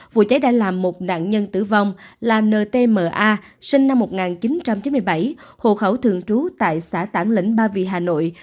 vụ cháy đã làm một nạn nhân tử vong là ntm a sinh năm một nghìn chín trăm chín mươi bảy hộ khẩu thường trú tại xã tảng lĩnh ba vị hà nội